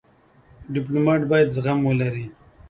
ډيپلومات باید زغم ولري.